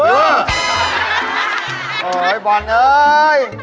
โอ้ยบอลเงย